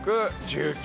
１９！